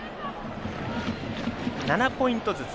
７ポイントずつ。